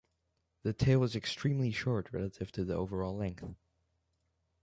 The tail is extremely short relative to the overall length.